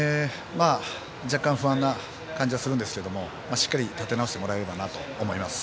若干、不安な感じはするんですけれどもしっかり立て直してもらえればなと思います。